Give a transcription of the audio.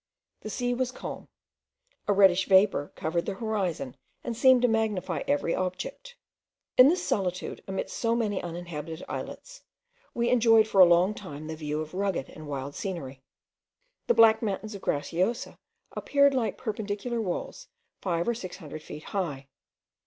The sea was calm; a reddish vapour covered the horizon, and seemed to magnify every object. In this solitude, amidst so many uninhabited islets, we enjoyed for a long time the view of rugged and wild scenery. The black mountains of Graciosa appeared like perpendicular walls five or six hundred feet high.